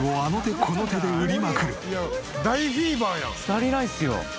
足りないっすよ。